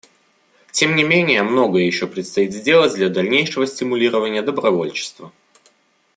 Тем не менее многое еще предстоит сделать для дальнейшего стимулирования добровольчества.